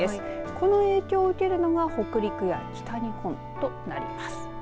この影響を受けるのが北陸や北日本となります。